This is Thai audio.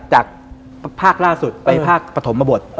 จากภาคล่าสุดไปภาคปฐมบท